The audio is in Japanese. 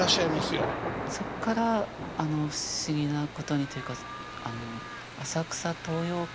そっから不思議なことにというか浅草東洋館。